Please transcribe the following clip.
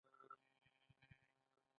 یې شپږ سوه ميليونه ډالر وګټل